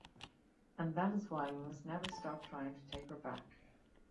And that is why we must never stop trying to take her back.